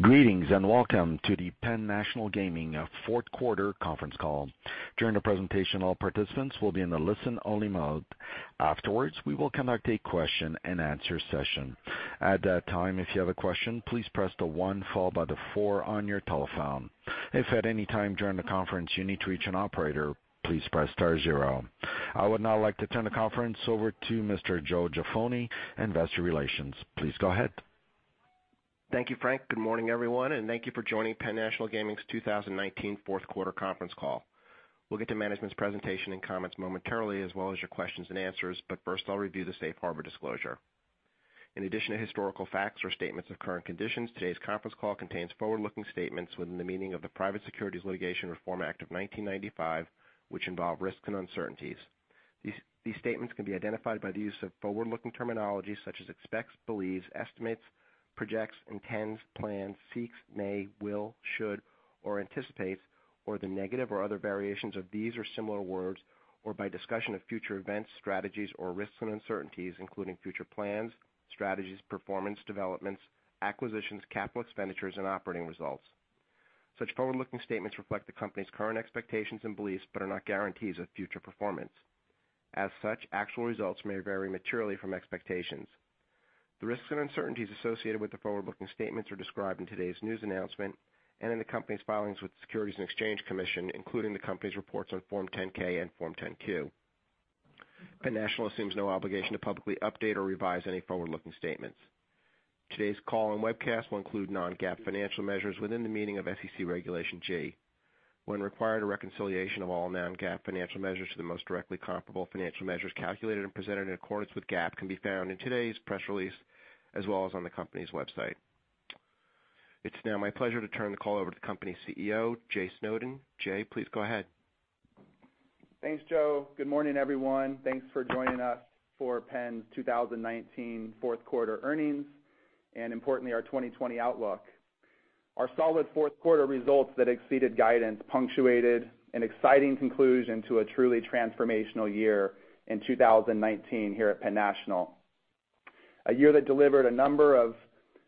Greetings, welcome to the PENN National Gaming fourth quarter conference call. During the presentation, all participants will be in a listen-only mode. Afterwards, we will conduct a question-and-answer session. At that time, if you have a question, please press the one followed by the four on your telephone. If at any time during the conference you need to reach an operator, please press star zero. I would now like to turn the conference over to Mr. Joe Jaffoni, Investor Relations. Please go ahead. Thank you, Frank. Good morning, everyone, and thank you for joining PENN National Gaming's 2019 fourth quarter conference call. We'll get to management's presentation and comments momentarily, as well as your questions and answers. First, I'll review the safe harbor disclosure. In addition to historical facts or statements of current conditions, today's conference call contains forward-looking statements within the meaning of the Private Securities Litigation Reform Act of 1995, which involve risks and uncertainties. These statements can be identified by the use of forward-looking terminology such as expects, believes, estimates, projects, intends, plans, seeks, may, will, should, or anticipates, or the negative or other variations of these or similar words, or by discussion of future events, strategies, or risks and uncertainties, including future plans, strategies, performance, developments, acquisitions, capital expenditures, and operating results. Such forward-looking statements reflect the company's current expectations and beliefs but are not guarantees of future performance. As such, actual results may vary materially from expectations. The risks and uncertainties associated with the forward-looking statements are described in today's news announcement and in the company's filings with the Securities and Exchange Commission, including the company's reports on Form 10-K and Form 10-Q. PENN National assumes no obligation to publicly update or revise any forward-looking statements. Today's call and webcast will include non-GAAP financial measures within the meaning of SEC Regulation G. When required, a reconciliation of all non-GAAP financial measures to the most directly comparable financial measures calculated and presented in accordance with GAAP can be found in today's press release, as well as on the company's website. It's now my pleasure to turn the call over to the company's CEO, Jay Snowden. Jay, please go ahead. Thanks, Joe. Good morning, everyone. Thanks for joining us for PENN's 2019 fourth quarter earnings, and importantly, our 2020 outlook. Our solid fourth quarter results that exceeded guidance punctuated an exciting conclusion to a truly transformational year in 2019 here at PENN National. A year that delivered a number of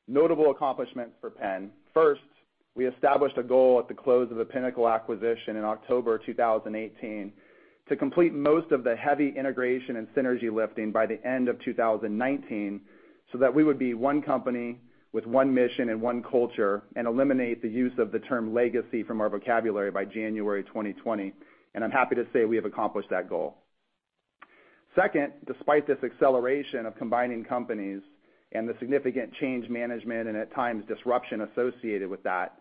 notable accomplishments for PENN. First, we established a goal at the close of the Pinnacle acquisition in October 2018 to complete most of the heavy integration and synergy lifting by the end of 2019, so that we would be one company with one mission and one culture and eliminate the use of the term legacy from our vocabulary by January 2020. I'm happy to say we have accomplished that goal. Second, despite this acceleration of combining companies and the significant change management and, at times, disruption associated with that,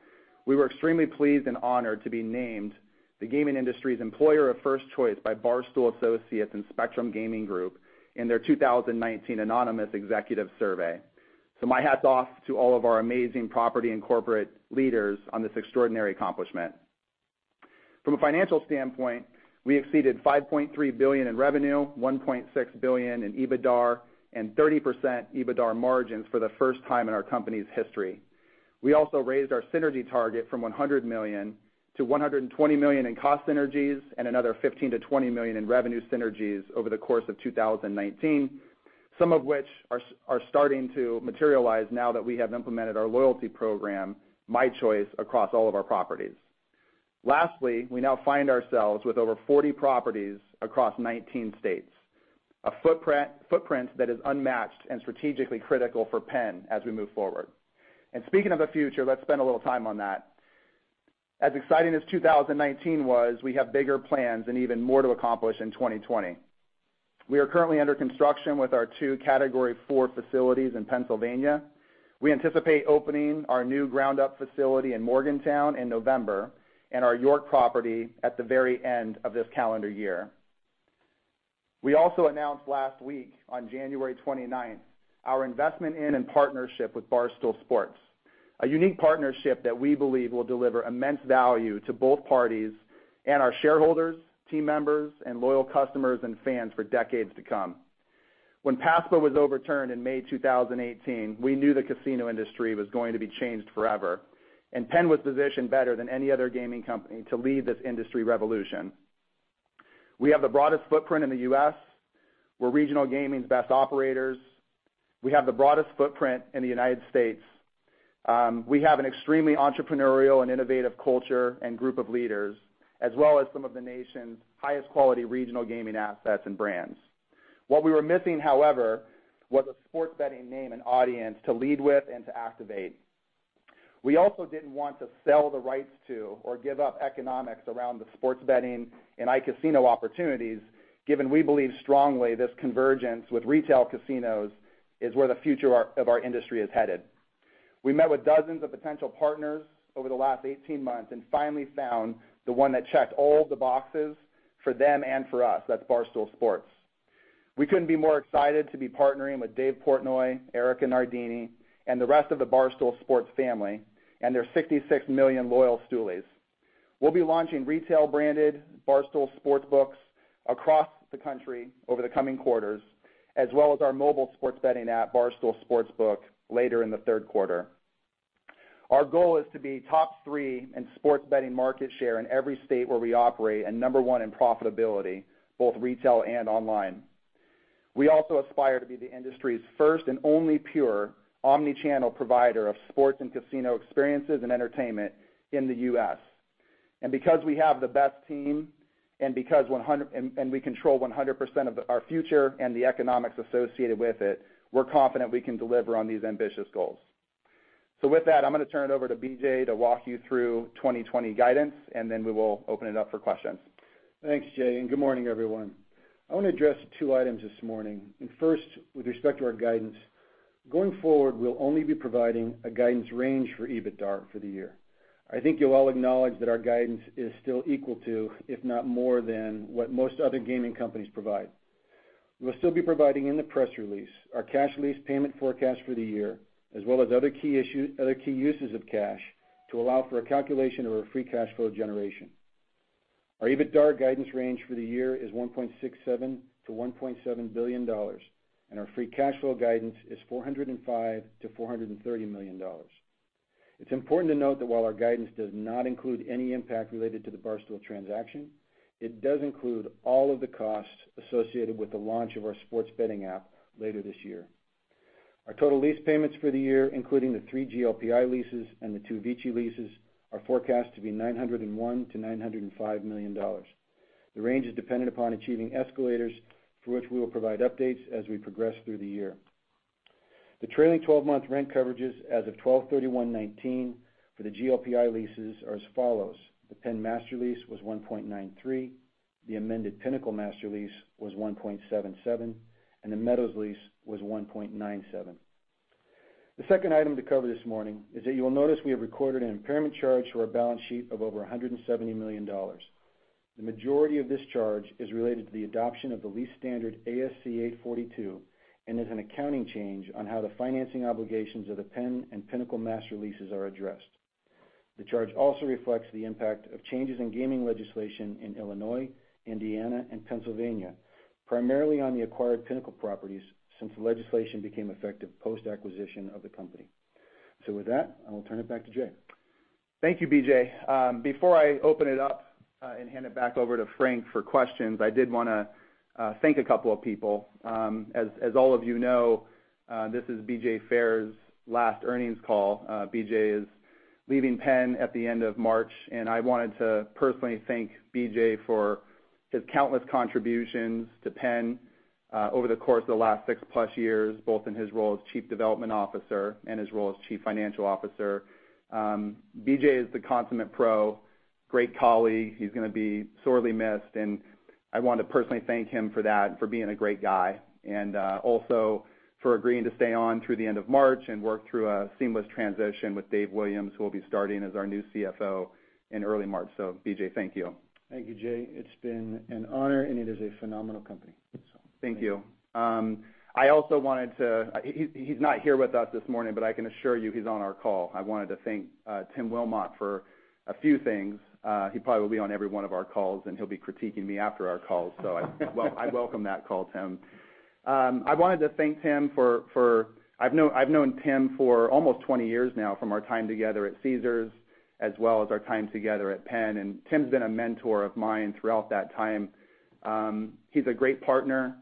we were extremely pleased and honored to be named the gaming industry's employer of first choice by Bristol Associates and Spectrum Gaming Group in their 2019 anonymous executive survey. My hat's off to all of our amazing property and corporate leaders on this extraordinary accomplishment. From a financial standpoint, we exceeded $5.3 billion in revenue, $1.6 billion in EBITDA, and 30% EBITDA margins for the first time in our company's history. We also raised our synergy target from $100 million to $120 million in cost synergies and another $15 million-$20 million in revenue synergies over the course of 2019, some of which are starting to materialize now that we have implemented our loyalty program, mychoice, across all of our properties. Lastly, we now find ourselves with over 40 properties across 19 states, a footprint that is unmatched and strategically critical for PENN as we move forward. Speaking of the future, let's spend a little time on that. As exciting as 2019 was, we have bigger plans and even more to accomplish in 2020. We are currently under construction with our two Category IV facilities in Pennsylvania. We anticipate opening our new ground-up facility in Morgantown in November and our York property at the very end of this calendar year. We also announced last week, on January 29th, our investment in and partnership with Barstool Sports, a unique partnership that we believe will deliver immense value to both parties and our shareholders, team members, and loyal customers and fans for decades to come. When PASPA was overturned in May 2018, we knew the casino industry was going to be changed forever, and PENN was positioned better than any other gaming company to lead this industry revolution. We have the broadest footprint in the U.S. We're regional gaming's best operators. We have the broadest footprint in the United States. We have an extremely entrepreneurial and innovative culture and group of leaders, as well as some of the nation's highest quality regional gaming assets and brands. What we were missing, however, was a sports betting name and audience to lead with and to activate. We also didn't want to sell the rights to or give up economics around the sports betting and iCasino opportunities, given we believe strongly this convergence with retail casinos is where the future of our industry is headed. We met with dozens of potential partners over the last 18 months and finally found the one that checked all the boxes for them and for us. That's Barstool Sports. We couldn't be more excited to be partnering with Dave Portnoy, Erika Nardini, and the rest of the Barstool Sports family and their 66 million loyal Stoolies. We'll be launching retail-branded Barstool Sportsbooks across the country over the coming quarters, as well as our mobile sports betting app, Barstool Sportsbook, later in the third quarter. Our goal is to be top three in sports betting market share in every state where we operate and number one in profitability, both retail and online. We also aspire to be the industry's first and only pure omni-channel provider of sports and casino experiences and entertainment in the U.S. Because we have the best team and we control 100% of our future and the economics associated with it, we're confident we can deliver on these ambitious goals. With that, I'm going to turn it over to BJ to walk you through 2020 guidance, and then we will open it up for questions. Thanks, Jay. Good morning, everyone. I want to address two items this morning, and first, with respect to our guidance. Going forward, we'll only be providing a guidance range for EBITDA for the year. I think you'll all acknowledge that our guidance is still equal to, if not more than, what most other gaming companies provide. We'll still be providing in the press release our cash lease payment forecast for the year, as well as other key uses of cash to allow for a calculation of our free cash flow generation. Our EBITDA guidance range for the year is $1.67 billion-$1.7 billion, and our free cash flow guidance is $405 million-$430 million. It's important to note that while our guidance does not include any impact related to the Barstool transaction, it does include all of the costs associated with the launch of our Barstool Sportsbook later this year. Our total lease payments for the year, including the three GLPI leases and the two VICI leases, are forecast to be $901 million-$905 million. The range is dependent upon achieving escalators, for which we will provide updates as we progress through the year. The trailing 12-month rent coverages as of 12/31/2019 for the GLPI leases are as follows: The PENN master lease was 1.93, the amended Pinnacle master lease was 1.77, and the Meadows lease was 1.97. The second item to cover this morning is that you will notice we have recorded an impairment charge to our balance sheet of over $170 million. The majority of this charge is related to the adoption of the lease standard ASC 842 and is an accounting change on how the financing obligations of the PENN and Pinnacle master leases are addressed. The charge also reflects the impact of changes in gaming legislation in Illinois, Indiana, and Pennsylvania, primarily on the acquired Pinnacle properties since the legislation became effective post-acquisition of the company. With that, I will turn it back to Jay. Thank you, BJ. Before I open it up and hand it back over to Frank for questions, I did want to thank a couple of people. As all of you know, this is BJ Fair's last earnings call. BJ is leaving PENN at the end of March, and I wanted to personally thank BJ for his countless contributions to PENN over the course of the last six-plus years, both in his role as chief development officer and his role as chief financial officer. BJ is the consummate pro, great colleague. He's going to be sorely missed, and I want to personally thank him for that, for being a great guy, and also for agreeing to stay on through the end of March and work through a seamless transition with Dave Williams, who will be starting as our new CFO in early March. BJ, thank you. Thank you, Jay. It's been an honor, and it is a phenomenal company. Thank you. He's not here with us this morning, but I can assure you he's on our call. I wanted to thank Tim Wilmott for a few things. He probably will be on every one of our calls, and he'll be critiquing me after our calls. I welcome that call, Tim. I've known Tim for almost 20 years now from our time together at Caesars, as well as our time together at PENN, and Tim's been a mentor of mine throughout that time. He's a great partner.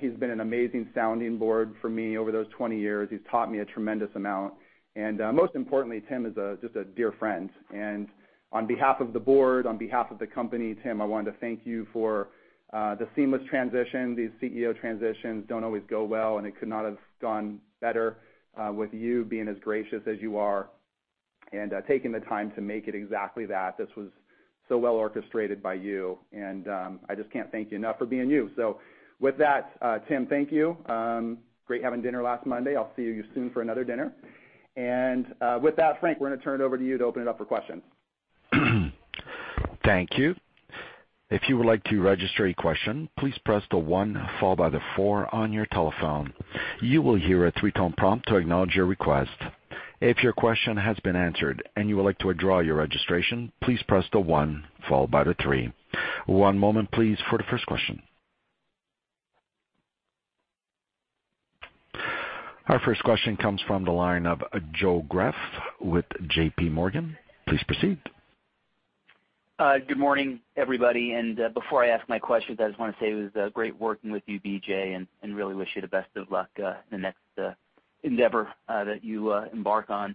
He's been an amazing sounding board for me over those 20 years. He's taught me a tremendous amount. Most importantly, Tim is just a dear friend. On behalf of the board, on behalf of the company, Tim, I wanted to thank you for the seamless transition. These CEO transitions don't always go well, and it could not have gone better with you being as gracious as you are and taking the time to make it exactly that. This was so well orchestrated by you, and I just can't thank you enough for being you. With that, Tim, thank you. Great having dinner last Monday. I'll see you soon for another dinner. With that, Frank, we're going to turn it over to you to open it up for questions. Thank you. If you would like to register a question, please press the one followed by the four on your telephone. You will hear a three-tone prompt to acknowledge your request. If your question has been answered and you would like to withdraw your registration, please press the one followed by the three. One moment, please, for the first question. Our first question comes from the line of Joe Greff with JPMorgan. Please proceed. Good morning, everybody, and before I ask my questions, I just want to say it was great working with you, BJ, and really wish you the best of luck in the next endeavor that you embark on.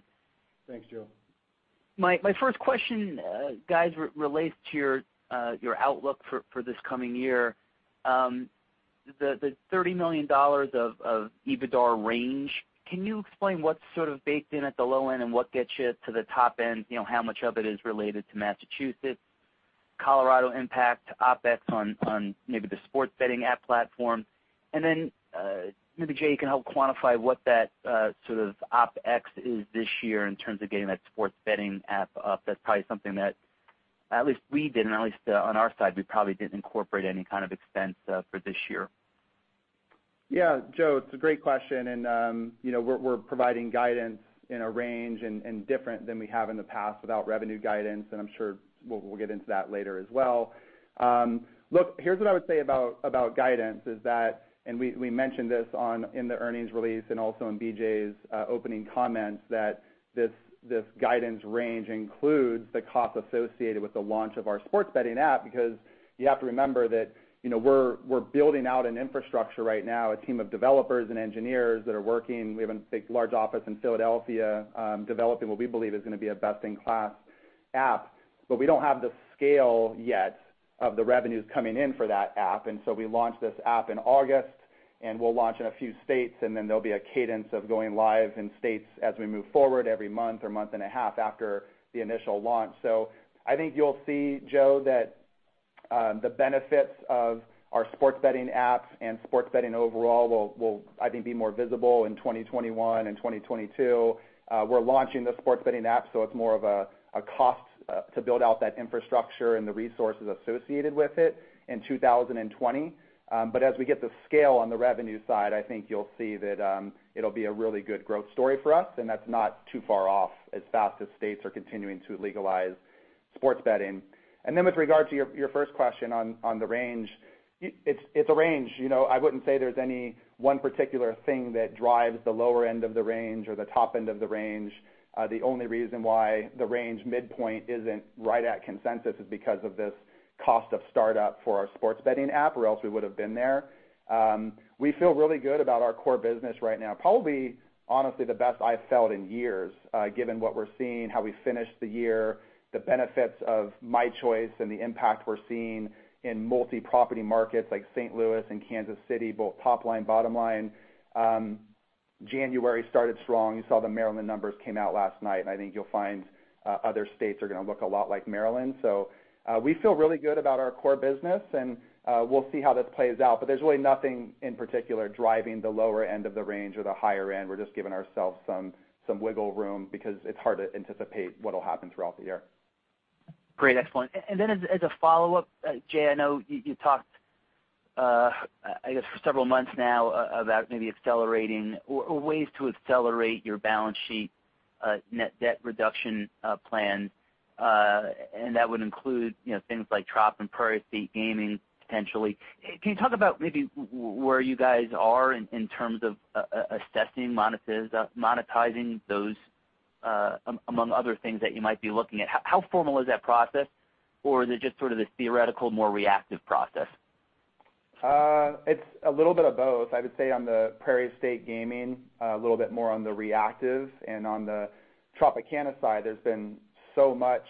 Thanks, Joe. My first question, guys, relates to your outlook for this coming year. The $30 million of EBITDA range, can you explain what's sort of baked in at the low end and what gets you to the top end? How much of it is related to Massachusetts, Colorado impact, OpEx on maybe the sports betting app platform? Maybe Jay, you can help quantify what that sort of OpEx is this year in terms of getting that sports betting app up. That's probably something that at least on our side, we probably didn't incorporate any kind of expense for this year. Yeah, Joe, it's a great question, and we're providing guidance in a range and different than we have in the past without revenue guidance, and I'm sure we'll get into that later as well. Look, here's what I would say about guidance is that, and we mentioned this in the earnings release and also in BJ's opening comments, that this guidance range includes the cost associated with the launch of our sports betting app because you have to remember that we're building out an infrastructure right now, a team of developers and engineers that are working. We have a large office in Philadelphia developing what we believe is going to be a best-in-class app. We don't have the scale yet of the revenues coming in for that app. We launched this app in August, and we'll launch in a few states, and then there'll be a cadence of going live in states as we move forward every month or month and a half after the initial launch. I think you'll see, Joe, that the benefits of our sports betting apps and sports betting overall will, I think, be more visible in 2021 and 2022. We're launching the sports betting app, so it's more of a cost to build out that infrastructure and the resources associated with it in 2020. As we get the scale on the revenue side, I think you'll see that it'll be a really good growth story for us, and that's not too far off as fast as states are continuing to legalize sports betting. With regard to your first question on the range, it's a range. I wouldn't say there's any one particular thing that drives the lower end of the range or the top end of the range. The only reason why the range midpoint isn't right at consensus is because of this cost of startup for our sports betting app, or else we would have been there. We feel really good about our core business right now. Probably, honestly, the best I've felt in years, given what we're seeing, how we finished the year, the benefits of mychoice and the impact we're seeing in multi-property markets like St. Louis and Kansas City, both top line, bottom line. January started strong. You saw the Maryland numbers came out last night, and I think you'll find other states are going to look a lot like Maryland. We feel really good about our core business, and we'll see how this plays out. There's really nothing in particular driving the lower end of the range or the higher end. We're just giving ourselves some wiggle room because it's hard to anticipate what'll happen throughout the year. Great. Excellent. As a follow-up, Jay, I know you talked, I guess for several months now, about maybe accelerating or ways to accelerate your balance sheet net debt reduction plan, and that would include things like Trop and Prairie State Gaming, potentially. Can you talk about maybe where you guys are in terms of assessing, monetizing those, among other things that you might be looking at? How formal is that process, or is it just sort of this theoretical, more reactive process? It's a little bit of both. I would say on the Prairie State Gaming, a little bit more on the reactive. On the Tropicana side, there's been so much,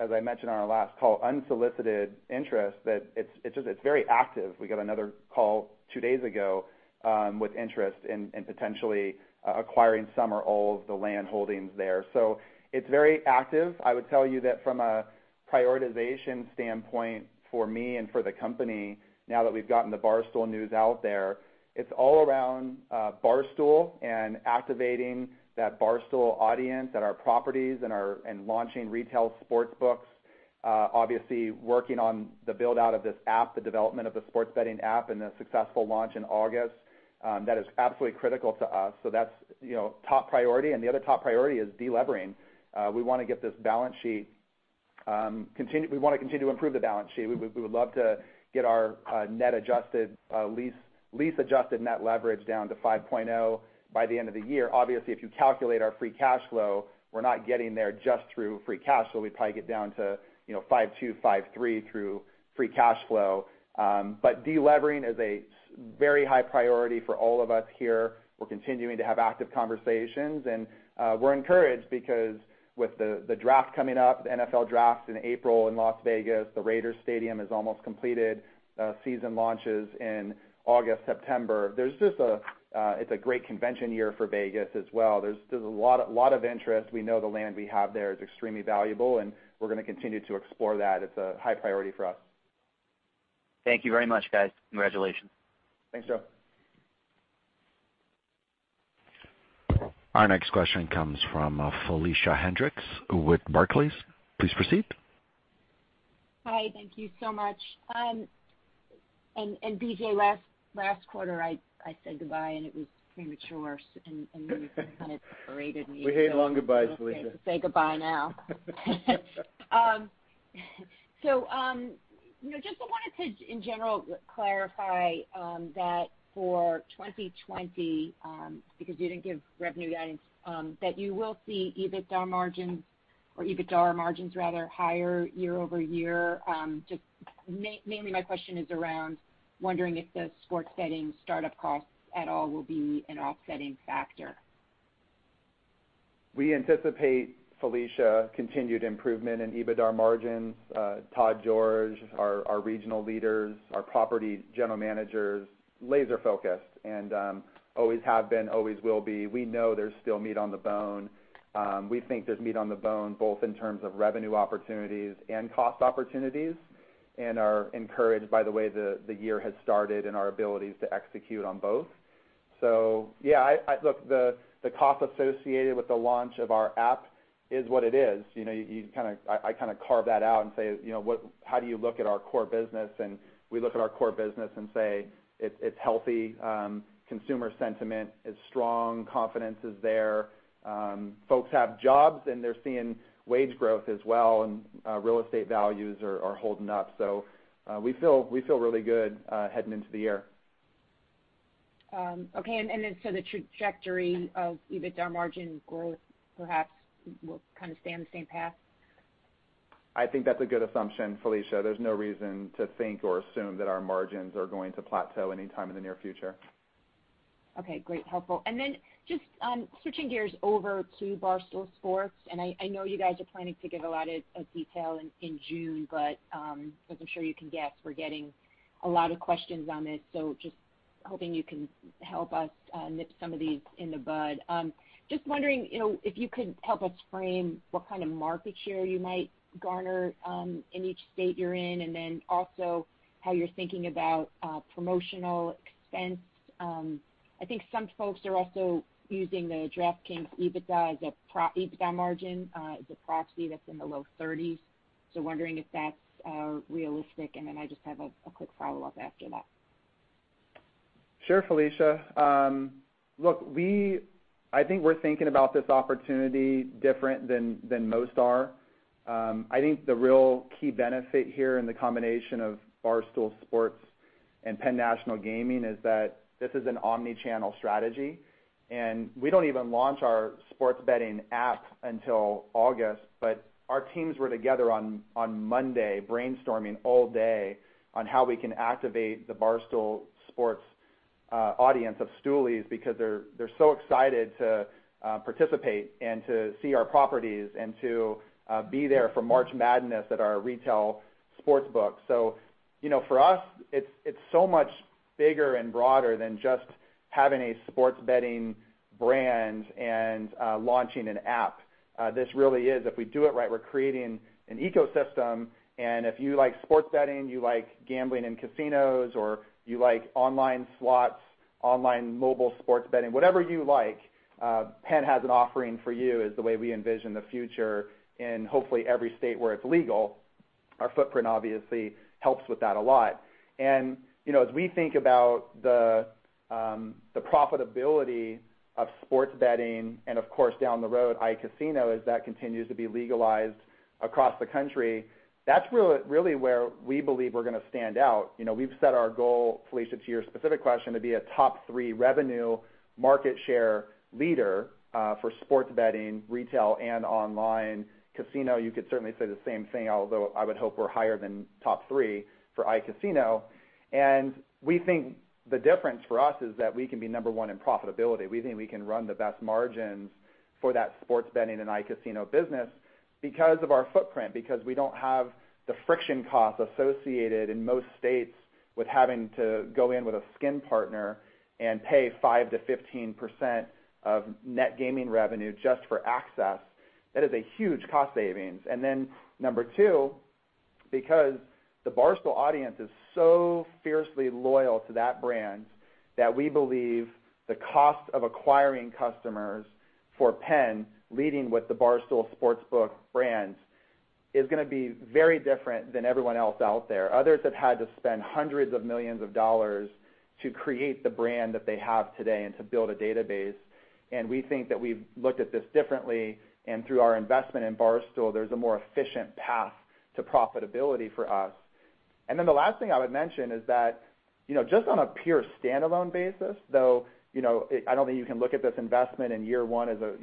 as I mentioned on our last call, unsolicited interest that it's very active. We got another call two days ago with interest in potentially acquiring some or all of the land holdings there. It's very active. I would tell you that from a prioritization standpoint for me and for the company, now that we've gotten the Barstool news out there, it's all around Barstool and activating that Barstool audience at our properties and launching retail sportsbooks. Obviously, working on the build-out of this app, the development of the sports betting app, and the successful launch in August. That is absolutely critical to us. That's top priority. The other top priority is de-levering. We want to continue to improve the balance sheet. We would love to get our lease-adjusted net leverage down to 5.0 by the end of the year. Obviously, if you calculate our free cash flow, we're not getting there just through free cash flow. We'd probably get down to 5.2, 5.3 through free cash flow. De-levering is a very high priority for all of us here. We're continuing to have active conversations and we're encouraged because with the draft coming up, the NFL draft in April in Las Vegas, the Raiders stadium is almost completed. Season launches in August, September. It's a great convention year for Vegas as well. There's a lot of interest. We know the land we have there is extremely valuable, and we're going to continue to explore that. It's a high priority for us. Thank you very much, guys. Congratulations. Thanks, Joe. Our next question comes from Felicia Hendrix with Barclays. Please proceed. Hi. Thank you so much. BJ, last quarter, I said goodbye, and it was premature and you kind of berated me. We hate long goodbyes, Felicia. I'll say goodbye now. Just I wanted to, in general, clarify that for 2020 because you didn't give revenue guidance, that you will see EBITDA margins or EBITDAR margins rather higher year-over-year. Mainly my question is around wondering if the sports betting startup costs at all will be an offsetting factor. We anticipate, Felicia, continued improvement in EBITDAR margins. Todd George, our regional leaders, our property general managers, laser focused and always have been, always will be. We know there's still meat on the bone. We think there's meat on the bone, both in terms of revenue opportunities and cost opportunities, and are encouraged by the way the year has started and our abilities to execute on both. Yeah, look, the cost associated with the launch of our app is what it is. I kind of carve that out and say, "How do you look at our core business?" We look at our core business and say it's healthy. Consumer sentiment is strong, confidence is there. Folks have jobs, and they're seeing wage growth as well, and real estate values are holding up. We feel really good heading into the year. Okay. The trajectory of EBITDA margin growth perhaps will kind of stay on the same path? I think that's a good assumption, Felicia. There's no reason to think or assume that our margins are going to plateau anytime in the near future. Okay, great. Helpful. Just switching gears over to Barstool Sports, and I know you guys are planning to give a lot of detail in June, but as I'm sure you can guess, we're getting a lot of questions on this, so just hoping you can help us nip some of these in the bud. Just wondering if you could help us frame what kind of market share you might garner in each state you're in, and then also how you're thinking about promotional expense. I think some folks are also using the DraftKings EBITDA margin as a proxy that's in the low 30s. Wondering if that's realistic, and then I just have a quick follow-up after that. Sure, Felicia. Look, I think we're thinking about this opportunity different than most are. I think the real key benefit here in the combination of Barstool Sports and PENN National Gaming is that this is an omni-channel strategy. We don't even launch our sports betting app until August, but our teams were together on Monday brainstorming all day on how we can activate the Barstool Sports audience of Stoolies because they're so excited to participate and to see our properties and to be there for March Madness at our retail sports book. For us, it's so much bigger and broader than just having a sports betting brand and launching an app. This really is, if we do it right, we're creating an ecosystem. If you like sports betting, you like gambling in casinos, or you like online slots, online mobile sports betting, whatever you like, PENN has an offering for you, is the way we envision the future in hopefully every state where it's legal. Our footprint obviously helps with that a lot. As we think about the profitability of sports betting and of course, down the road, iCasino, as that continues to be legalized across the country, that's really where we believe we're going to stand out. We've set our goal, Felicia, to your specific question, to be a top three revenue market share leader for sports betting, retail, and online casino. You could certainly say the same thing, although I would hope we're higher than top three for iCasino. We think the difference for us is that we can be number one in profitability. We think we can run the best margins for that sports betting and iCasino business because of our footprint, because we don't have the friction costs associated in most states with having to go in with a skin partner and pay 5%-15% of net gaming revenue just for access. That is a huge cost savings. Then number two, because the Barstool audience is so fiercely loyal to that brand, that we believe the cost of acquiring customers for PENN, leading with the Barstool Sportsbook brand, is going to be very different than everyone else out there. Others have had to spend $hundreds of millions to create the brand that they have today and to build a database. We think that we've looked at this differently, and through our investment in Barstool, there's a more efficient path to profitability for us. The last thing I would mention is that, just on a pure standalone basis, though I don't think you can look at this investment in year one as a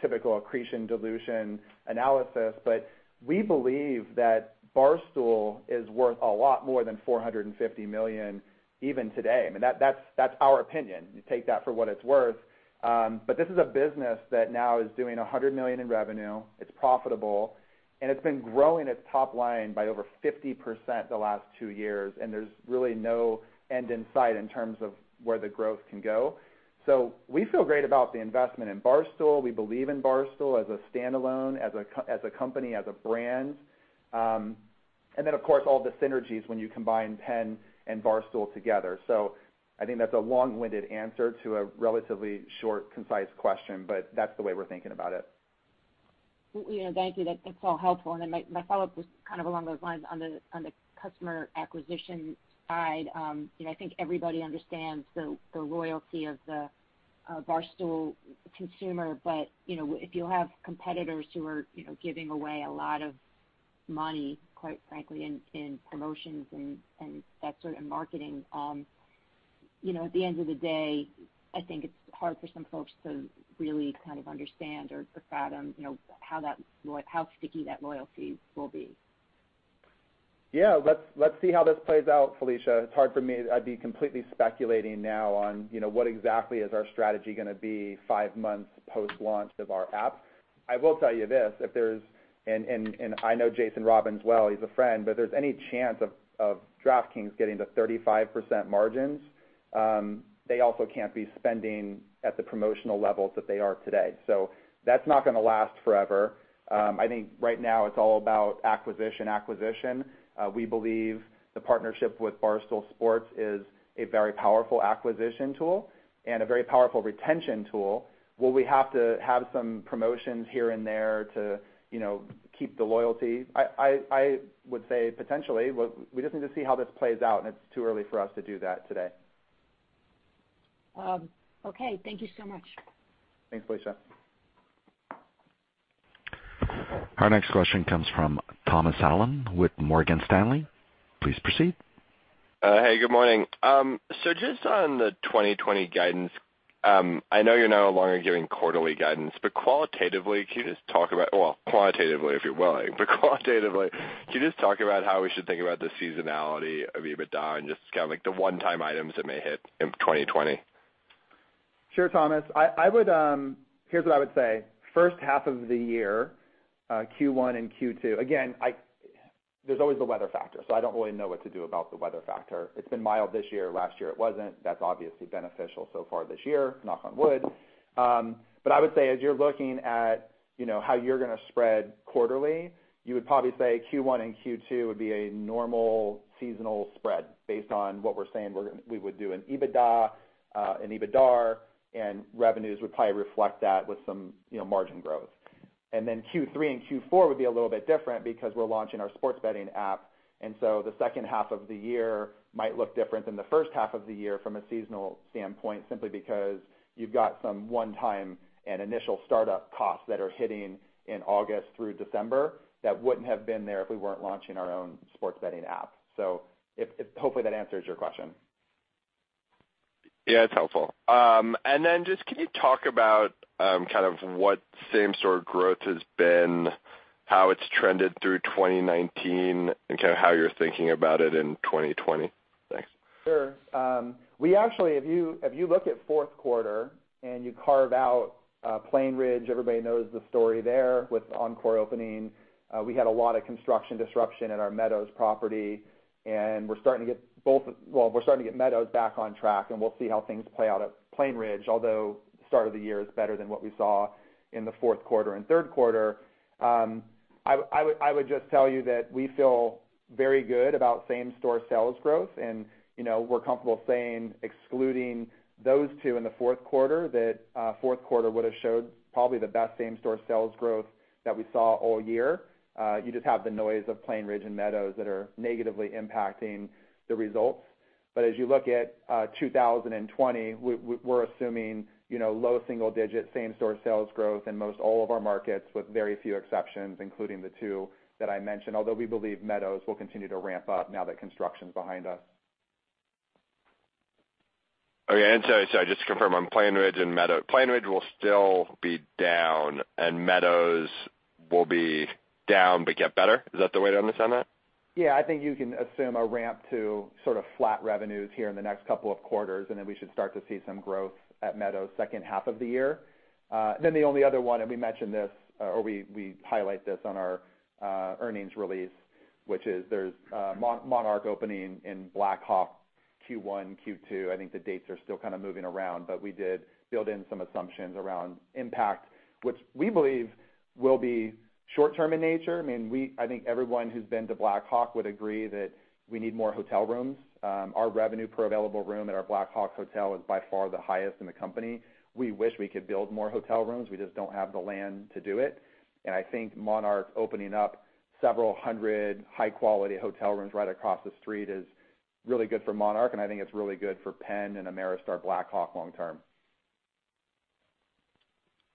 typical accretion dilution analysis, but we believe that Barstool is worth a lot more than $450 million even today. That's our opinion. Take that for what it's worth. But this is a business that now is doing $100 million in revenue. It's profitable, and it's been growing its top line by over 50% the last two years, and there's really no end in sight in terms of where the growth can go. We feel great about the investment in Barstool. We believe in Barstool as a standalone, as a company, as a brand. Of course, all the synergies when you combine Penn and Barstool together. I think that's a long-winded answer to a relatively short, concise question, but that's the way we're thinking about it. Thank you. That's all helpful. My follow-up was kind of along those lines on the customer acquisition side. I think everybody understands the loyalty of the Barstool consumer, but if you have competitors who are giving away a lot of money, quite frankly, in promotions and that sort of marketing, at the end of the day, I think it's hard for some folks to really kind of understand or fathom how sticky that loyalty will be. Yeah. Let's see how this plays out, Felicia. It's hard for me. I'd be completely speculating now on what exactly is our strategy going to be five months post-launch of our app. I will tell you this, if there's, and I know Jason Robins well, he's a friend, but if there's any chance of DraftKings getting to 35% margins. They also can't be spending at the promotional levels that they are today. That's not going to last forever. I think right now it's all about acquisition. We believe the partnership with Barstool Sports is a very powerful acquisition tool and a very powerful retention tool. Will we have to have some promotions here and there to keep the loyalty? I would say potentially. We just need to see how this plays out, and it's too early for us to do that today. Okay, thank you so much. Thanks, Felicia. Our next question comes from Thomas Allen with Morgan Stanley. Please proceed. Hey, good morning. Just on the 2020 guidance, I know you're no longer giving quarterly guidance, qualitatively, can you just talk about Well, quantitatively, if you're willing, qualitatively, can you just talk about how we should think about the seasonality of EBITDA and just kind of like the one-time items that may hit in 2020? Sure, Thomas. Here's what I would say. First half of the year, Q1 and Q2. There's always the weather factor, so I don't really know what to do about the weather factor. It's been mild this year. Last year it wasn't. That's obviously beneficial so far this year, knock on wood. I would say as you're looking at how you're going to spread quarterly, you would probably say Q1 and Q2 would be a normal seasonal spread based on what we're saying we would do in EBITDA, and EBITDAR and revenues would probably reflect that with some margin growth. Then Q3 and Q4 would be a little bit different because we're launching our sports betting app. The second half of the year might look different than the first half of the year from a seasonal standpoint, simply because you've got some one-time and initial startup costs that are hitting in August through December that wouldn't have been there if we weren't launching our own sports betting app. Hopefully that answers your question. Yeah, it's helpful. Then just can you talk about kind of what same store growth has been, how it's trended through 2019, and kind of how you're thinking about it in 2020? Thanks. Sure. We actually, if you look at fourth quarter and you carve out Plainridge, everybody knows the story there. With Encore opening, we had a lot of construction disruption at our Meadows property, and we're starting to get Meadows back on track, and we'll see how things play out at Plainridge, although the start of the year is better than what we saw in the fourth quarter and third quarter. I would just tell you that we feel very good about same store sales growth, and we're comfortable saying, excluding those two in the fourth quarter, that fourth quarter would have showed probably the best same store sales growth that we saw all year. You just have the noise of Plainridge and Meadows that are negatively impacting the results. As you look at 2020, we're assuming low single digit same store sales growth in most all of our markets, with very few exceptions, including the two that I mentioned. Although we believe Meadows will continue to ramp up now that construction's behind us. Okay, just to confirm on Plainridge and Meadows, Plainridge will still be down and Meadows will be down but get better. Is that the way to understand that? I think you can assume a ramp to sort of flat revenues here in the next couple of quarters. Then we should start to see some growth at Meadows second half of the year. The only other one, and we mentioned this, or we highlight this on our earnings release, which is there's Monarch opening in Black Hawk Q1, Q2. I think the dates are still kind of moving around. We did build in some assumptions around impact, which we believe will be short-term in nature. I think everyone who's been to Black Hawk would agree that we need more hotel rooms. Our revenue per available room at our Black Hawk hotel is by far the highest in the company. We wish we could build more hotel rooms. We just don't have the land to do it. I think Monarch opening up several hundred high-quality hotel rooms right across the street is really good for Monarch. I think it's really good for Penn and Ameristar Black Hawk long term.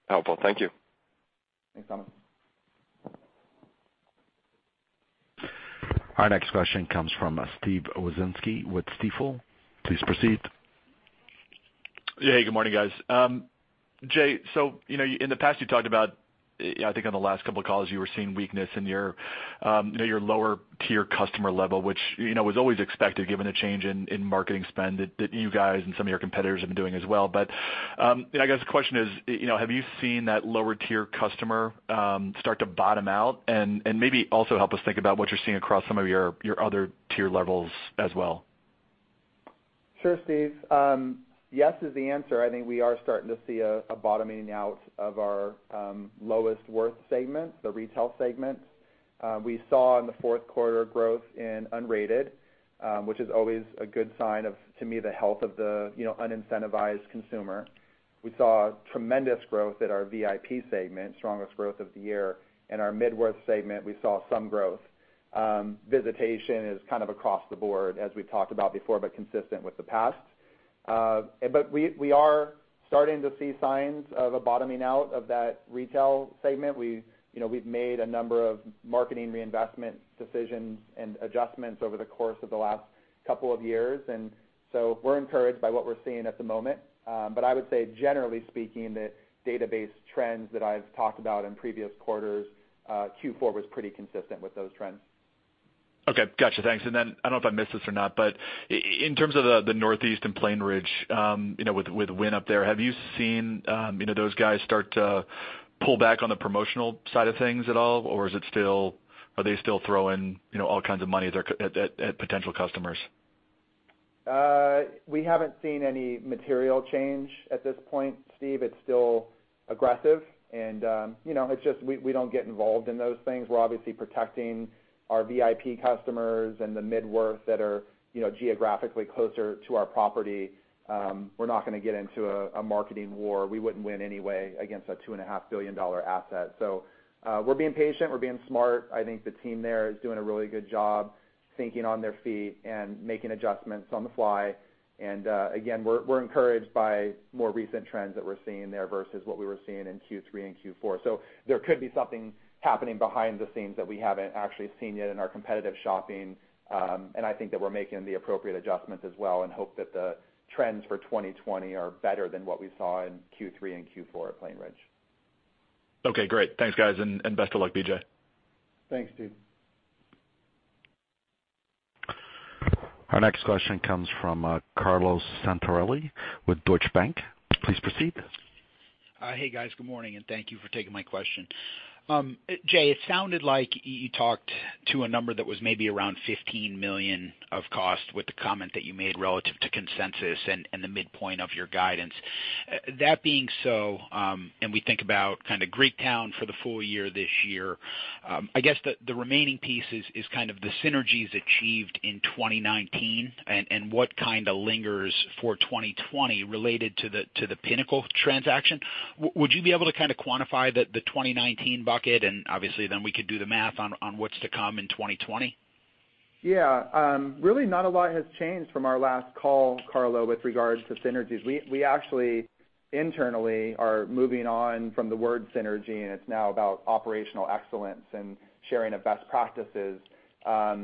Helpful. Thank you. Thanks, Thomas. Our next question comes from Steve Wieczynski with Stifel. Please proceed. Yeah. Good morning, guys. Jay, in the past, you talked about, I think on the last couple of calls, you were seeing weakness in your lower tier customer level, which was always expected given the change in marketing spend that you guys and some of your competitors have been doing as well. I guess the question is, have you seen that lower tier customer start to bottom out? Maybe also help us think about what you're seeing across some of your other tier levels as well. Sure, Steve. Yes is the answer. I think we are starting to see a bottoming out of our lowest worth segment, the Retail segment. We saw in the fourth quarter growth in unrated, which is always a good sign of, to me, the health of the unincentivized consumer. We saw tremendous growth at our VIP segment, strongest growth of the year. In our mid-worth segment, we saw some growth. Visitation is kind of across the board, as we've talked about before, but consistent with the past. We are starting to see signs of a bottoming out of that Retail segment. We've made a number of marketing reinvestment decisions and adjustments over the course of the last couple of years, and so we're encouraged by what we're seeing at the moment. I would say, generally speaking, the database trends that I've talked about in previous quarters, Q4 was pretty consistent with those trends. Okay, got you. Thanks. Then I don't know if I missed this or not, but in terms of the Northeast and Plainridge, with Wynn up there, have you seen those guys start to pull back on the promotional side of things at all? Or are they still throwing all kinds of money at potential customers? We haven't seen any material change at this point, Steve. It's still aggressive, and it's just we don't get involved in those things. We're obviously protecting our VIP customers and the mid-worth that are geographically closer to our property. We're not going to get into a marketing war. We wouldn't win anyway against a $2.5 billion asset. We're being patient, we're being smart. I think the team there is doing a really good job thinking on their feet and making adjustments on the fly. Again, we're encouraged by more recent trends that we're seeing there versus what we were seeing in Q3 and Q4. There could be something happening behind the scenes that we haven't actually seen yet in our competitive shopping. I think that we're making the appropriate adjustments as well and hope that the trends for 2020 are better than what we saw in Q3 and Q4 at Plainridge. Okay, great. Thanks, guys, and best of luck, BJ. Thanks, Steve. Our next question comes from Carlo Santarelli with Deutsche Bank. Please proceed. Hey, guys. Good morning, and thank you for taking my question. Jay, it sounded like you talked to a number that was maybe around $15 million of cost with the comment that you made relative to consensus and the midpoint of your guidance. That being so, we think about kind of Greektown for the full year this year, I guess the remaining piece is kind of the synergies achieved in 2019 and what kind of lingers for 2020 related to the Pinnacle transaction. Would you be able to kind of quantify the 2019 bucket? Obviously then we could do the math on what's to come in 2020. Yeah. Really not a lot has changed from our last call, Carlo, with regards to synergies. We actually internally are moving on from the word synergy, and it's now about operational excellence and sharing of best practices. I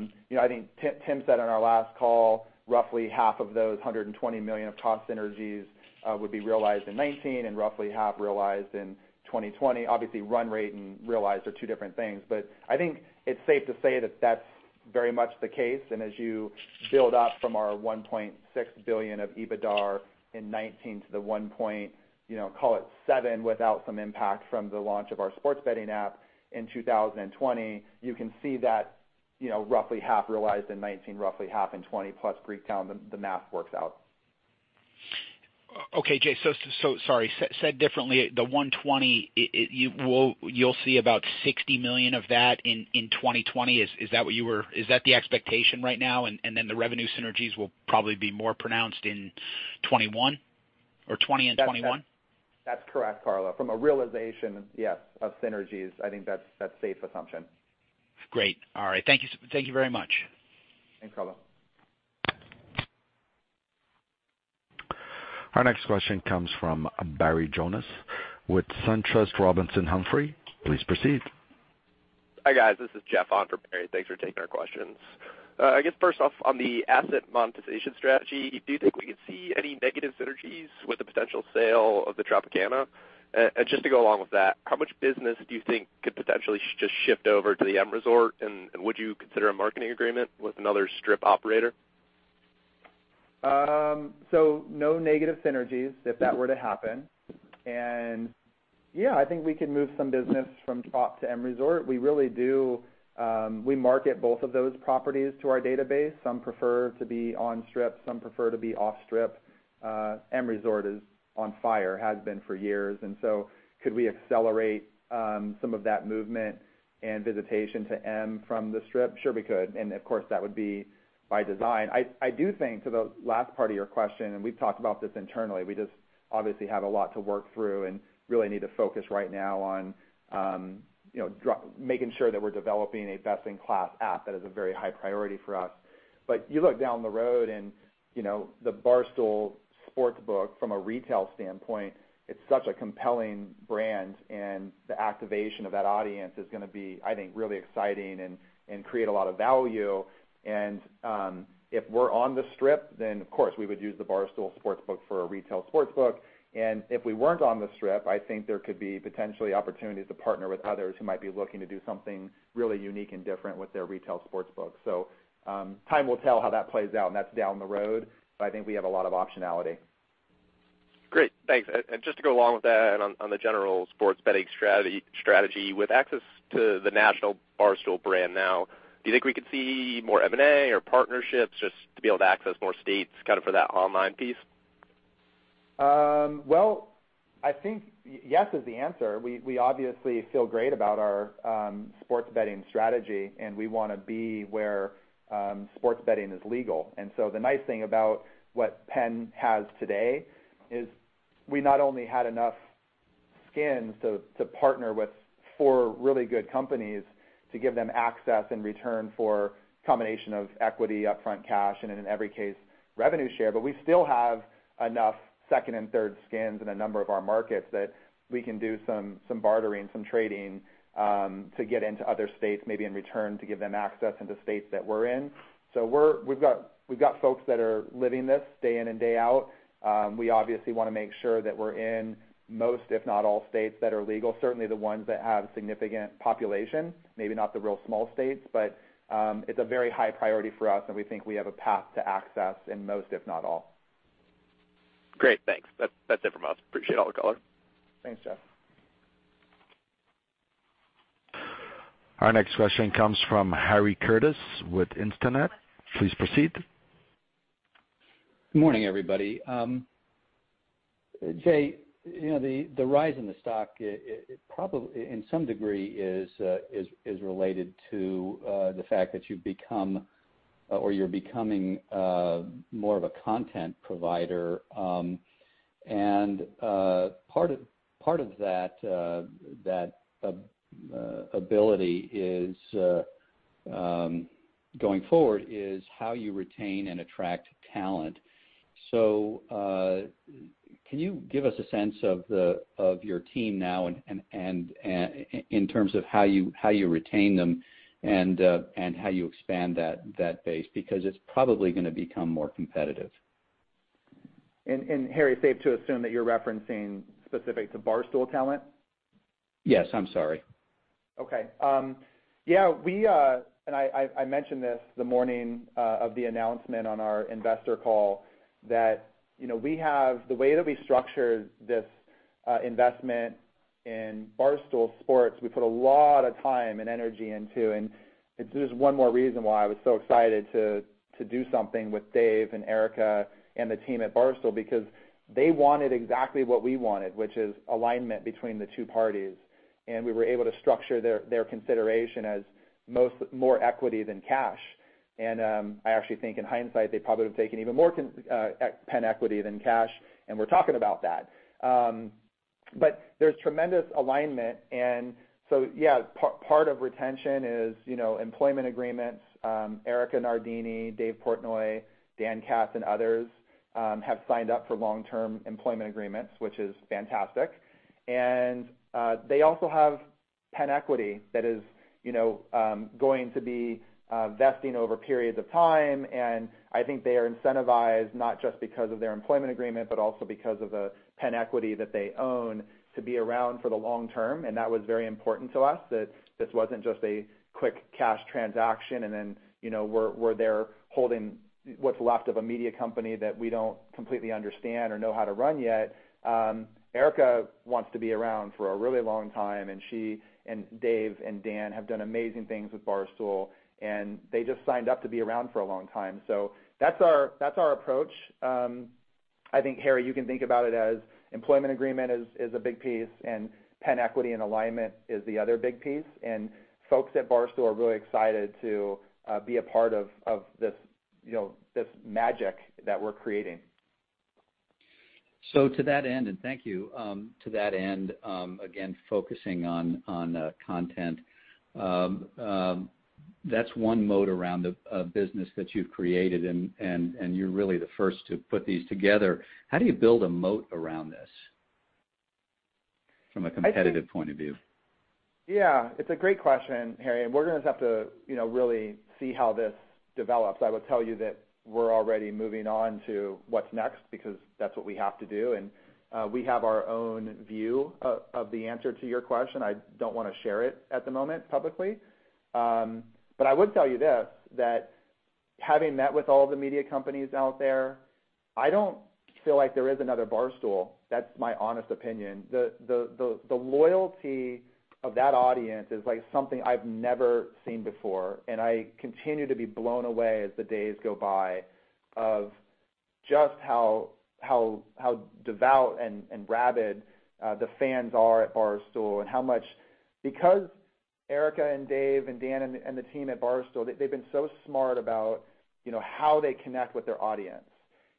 think Tim said on our last call, roughly half of those $120 million of cost synergies would be realized in 2019 and roughly half realized in 2020. Obviously, run rate and realize are two different things, but I think it's safe to say that that's very much the case. As you build up from our $1.6 billion of EBITDAR in 2019 to the $1.7 billion without some impact from the launch of our sports betting app in 2020, you can see that roughly half realized in 2019, roughly half in 2020, plus Greektown, the math works out. Okay, Jay. Sorry, said differently, the $120, you'll see about $60 million of that in 2020? Is that the expectation right now? The revenue synergies will probably be more pronounced in 2021 or 2020 and 2021? That's correct, Carlo. From a realization, yes, of synergies, I think that's safe assumption. Great. All right. Thank you very much. Thanks, Carlo. Our next question comes from Barry Jonas with SunTrust Robinson Humphrey. Please proceed. Hi, guys. This is Jeff on for Barry. Thanks for taking our questions. I guess first off, on the asset monetization strategy, do you think we could see any negative synergies with the potential sale of the Tropicana? Just to go along with that, how much business do you think could potentially just shift over to the M Resort? Would you consider a marketing agreement with another Strip operator? No negative synergies if that were to happen. Yeah, I think we could move some business from Trop to M Resort. We market both of those properties to our database. Some prefer to be on Strip, some prefer to be off Strip. M Resort is on fire, has been for years. Could we accelerate some of that movement and visitation to M from the Strip? Sure, we could. Of course, that would be by design. I do think to the last part of your question, and we've talked about this internally, we just obviously have a lot to work through and really need to focus right now on making sure that we're developing a best-in-class app. That is a very high priority for us. You look down the road and the Barstool Sportsbook from a retail standpoint, it's such a compelling brand, and the activation of that audience is going to be, I think, really exciting and create a lot of value. If we're on the Strip, then of course, we would use the Barstool Sportsbook for a retail sportsbook. If we weren't on the Strip, I think there could be potentially opportunities to partner with others who might be looking to do something really unique and different with their retail sportsbook. Time will tell how that plays out, and that's down the road, but I think we have a lot of optionality. Great. Thanks. Just to go along with that and on the general sports betting strategy, with access to the national Barstool brand now, do you think we could see more M&A or partnerships just to be able to access more states kind of for that online piece? Well, I think yes is the answer. We obviously feel great about our sports betting strategy, and we want to be where sports betting is legal. The nice thing about what PENN has today is we not only had enough skin to partner with four really good companies to give them access in return for combination of equity, upfront cash, and in every case, revenue share. We still have enough second and third skins in a number of our markets that we can do some bartering, some trading to get into other states, maybe in return to give them access into states that we're in. We've got folks that are living this day in and day out. We obviously want to make sure that we're in most, if not all, states that are legal, certainly the ones that have significant population, maybe not the real small states, but it's a very high priority for us, and we think we have a path to access in most, if not all. Great. Thanks. That's it from us. Appreciate all the color. Thanks, Jeff. Our next question comes from Harry Curtis with Instinet. Please proceed. Morning, everybody. Jay, the rise in the stock, probably in some degree, is related to the fact that you've become, or you're becoming, more of a content provider. Part of that ability going forward is how you retain and attract talent. Can you give us a sense of your team now in terms of how you retain them and how you expand that base? It's probably going to become more competitive. Harry, it's safe to assume that you're referencing specific to Barstool talent? Yes. I'm sorry. Okay. Yeah, I mentioned this the morning of the announcement on our investor call that the way that we structured this investment in Barstool Sports, we put a lot of time and energy into. This is one more reason why I was so excited to do something with Dave and Erika and the team at Barstool, because they wanted exactly what we wanted, which is alignment between the two parties, and we were able to structure their consideration as more equity than cash. I actually think in hindsight, they probably would've taken even more PENN equity than cash, and we're talking about that. There's tremendous alignment. Yeah, part of retention is employment agreements. Erika Nardini, Dave Portnoy, Dan Katz, and others have signed up for long-term employment agreements, which is fantastic. They also have PENN equity that is going to be vesting over periods of time, and I think they are incentivized not just because of their employment agreement, but also because of the PENN equity that they own to be around for the long term. That was very important to us, that this wasn't just a quick cash transaction, and then we're there holding what's left of a media company that we don't completely understand or know how to run yet. Erika wants to be around for a really long time, and she and Dave and Dan have done amazing things with Barstool, and they just signed up to be around for a long time. That's our approach. I think, Harry, you can think about it as employment agreement is a big piece, and PENN equity and alignment is the other big piece, and folks at Barstool are really excited to be a part of this magic that we're creating. To that end, and thank you. To that end, again, focusing on content, that's one moat around a business that you've created, and you're really the first to put these together. How do you build a moat around this from a competitive point of view? Yeah, it's a great question, Harry. We're going to have to really see how this develops. I will tell you that we're already moving on to what's next because that's what we have to do. We have our own view of the answer to your question. I don't want to share it at the moment publicly. I would tell you this, that having met with all the media companies out there, I don't feel like there is another Barstool. That's my honest opinion. The loyalty of that audience is like something I've never seen before, and I continue to be blown away as the days go by of just how devout and rabid the fans are at Barstool and how much-- Erika and Dave and Dan and the team at Barstool, they've been so smart about how they connect with their audience,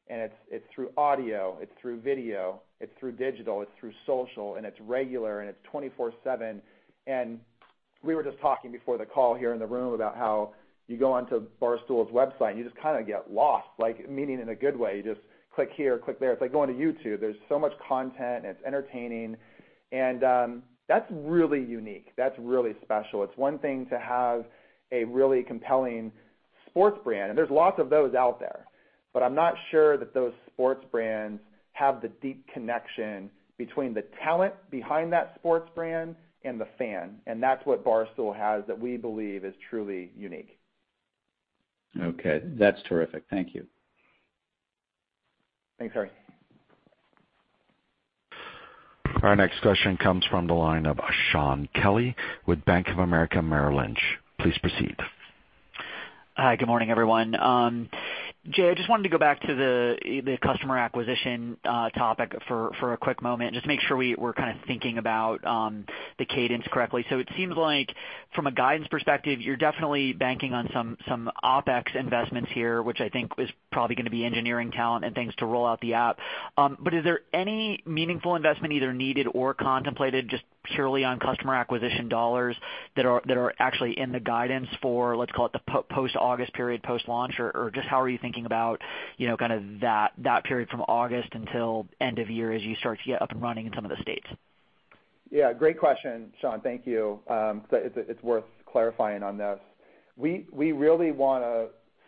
and it's through audio, it's through video, it's through digital, it's through social, and it's regular, and it's 24/7. We were just talking before the call here in the room about how you go onto Barstool's website, and you just kind of get lost, meaning in a good way. You just click here, click there. It's like going to YouTube. There's so much content, and it's entertaining, and that's really unique. That's really special. It's one thing to have a really compelling sports brand, and there's lots of those out there, but I'm not sure that those sports brands have the deep connection between the talent behind that sports brand and the fan, and that's what Barstool has that we believe is truly unique. Okay. That's terrific. Thank you. Thanks, Harry. Our next question comes from the line of Shaun Kelley with Bank of America Merrill Lynch. Please proceed. Hi. Good morning, everyone. Jay, I just wanted to go back to the customer acquisition topic for a quick moment, just make sure we're thinking about the cadence correctly. It seems like from a guidance perspective, you're definitely banking on some OpEx investments here, which I think is probably going to be engineering talent and things to roll out the app. Is there any meaningful investment either needed or contemplated just purely on customer acquisition dollars that are actually in the guidance for, let's call it, the post-August period, post-launch, or just how are you thinking about that period from August until end of year as you start to get up and running in some of the states? Yeah, great question, Shaun. Thank you. It's worth clarifying on this. We really want to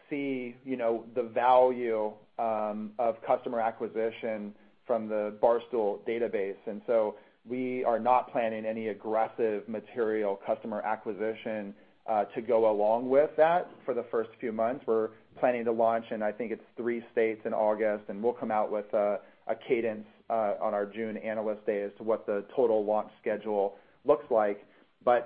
see the value of customer acquisition from the Barstool database. We are not planning any aggressive material customer acquisition to go along with that for the first few months. We're planning to launch in, I think it's three states in August, and we'll come out with a cadence on our June analyst day as to what the total launch schedule looks like.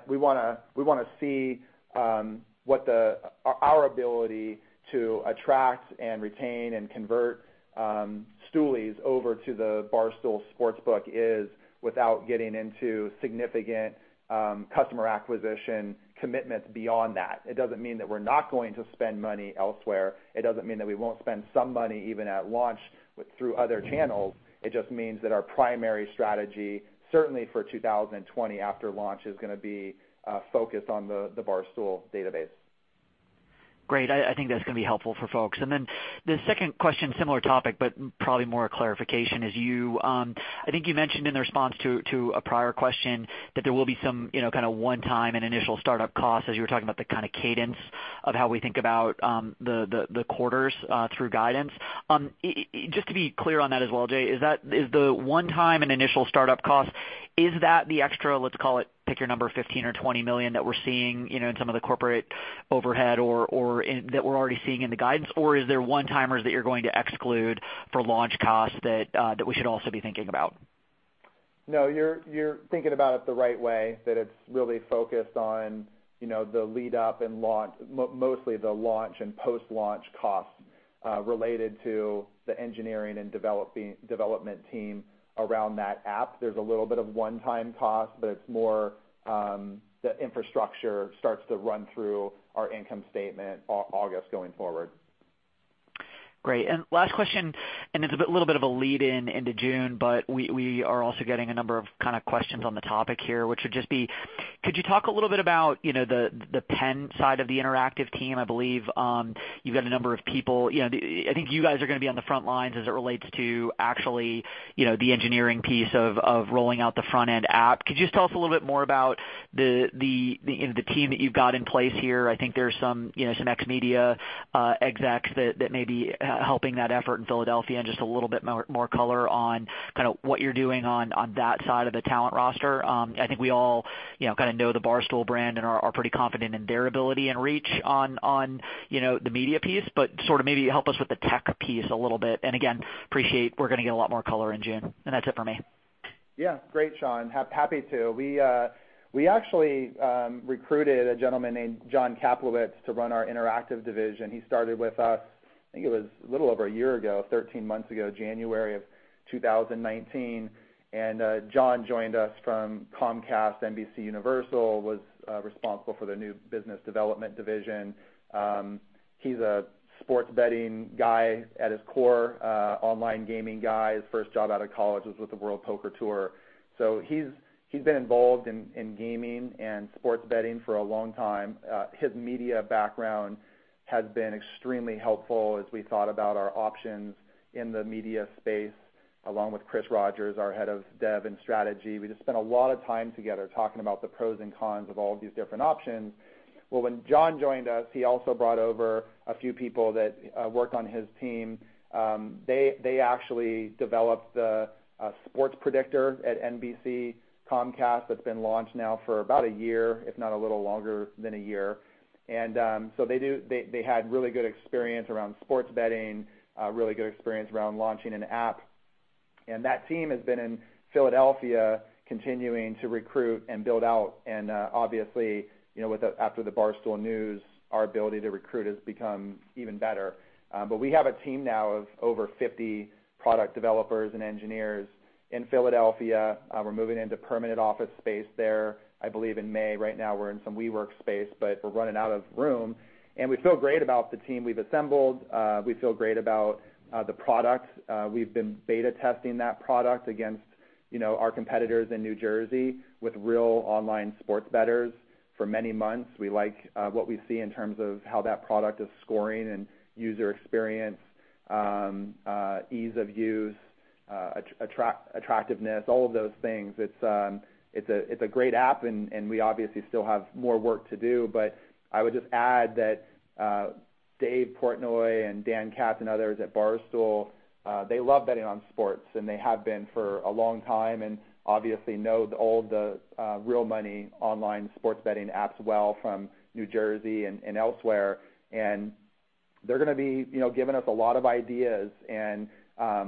We want to see what our ability to attract and retain and convert Stoolies over to the Barstool Sportsbook is, without getting into significant customer acquisition commitments beyond that. It doesn't mean that we're not going to spend money elsewhere. It doesn't mean that we won't spend some money even at launch through other channels. It just means that our primary strategy, certainly for 2020 after launch, is going to be focused on the Barstool database. Great. I think that's going to be helpful for folks. The second question, similar topic, but probably more a clarification, I think you mentioned in the response to a prior question that there will be some kind of one-time and initial startup costs as you were talking about the kind of cadence of how we think about the quarters through guidance. Just to be clear on that as well, Jay, is the one time an initial startup cost? Is that the extra, let's call it, pick your number, $15 million or $20 million, that we're seeing in some of the corporate overhead, or that we're already seeing in the guidance? Or is there one-timers that you're going to exclude for launch costs that we should also be thinking about? No, you're thinking about it the right way, that it's really focused on the lead up and mostly the launch and post-launch costs related to the engineering and development team around that app. There's a little bit of one-time cost, but it's more the infrastructure starts to run through our income statement August going forward. Great. Last question, and it's a little bit of a lead-in into June, but we are also getting a number of kind of questions on the topic here, which would just be, could you talk a little bit about the PENN side of the interactive team? I believe you've got a number of people. I think you guys are going to be on the front lines as it relates to actually the engineering piece of rolling out the front-end app. Could you just tell us a little bit more about the team that you've got in place here? I think there's some ex-media execs that may be helping that effort in Philadelphia, and just a little bit more color on what you're doing on that side of the talent roster. I think we all know the Barstool brand and are pretty confident in their ability and reach on the media piece, but sort of maybe help us with the tech piece a little bit. Again, appreciate we're going to get a lot more color in June. That's it for me. Yeah. Great, Shaun. Happy to. We actually recruited a gentleman named Jon Kaplowitz to run our interactive division. He started with us, I think it was a little over a year ago, 13 months ago, January of 2019. Jon joined us from Comcast NBCUniversal, was responsible for the new business development division. He's a sports betting guy at his core, online gaming guy. His first job out of college was with the World Poker Tour. He's been involved in gaming and sports betting for a long time. His media background has been extremely helpful as we thought about our options in the media space, along with Chris Rogers, our head of dev and strategy. We just spent a lot of time together talking about the pros and cons of all of these different options. Well, when John joined us, he also brought over a few people that work on his team. They actually developed the sports predictor at NBC Comcast, that's been launched now for about a year, if not a little longer than a year. They had really good experience around sports betting, really good experience around launching an app. That team has been in Philadelphia continuing to recruit and build out. Obviously, after the Barstool news, our ability to recruit has become even better. We have a team now of over 50 product developers and engineers in Philadelphia. We're moving into permanent office space there, I believe in May. Right now we're in some WeWork space, but we're running out of room. We feel great about the team we've assembled. We feel great about the product. We've been beta testing that product against our competitors in New Jersey with real online sports bettors for many months. We like what we see in terms of how that product is scoring and user experience, ease of use, attractiveness, all of those things. It's a great app, and we obviously still have more work to do. I would just add that Dave Portnoy and Dan Katz and others at Barstool, they love betting on sports, and they have been for a long time, and obviously know all of the real money online sports betting apps well from New Jersey and elsewhere. They're going to be giving us a lot of ideas and